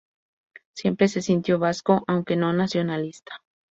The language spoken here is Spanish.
Siempre se sintió vasco, aunque no nacionalista.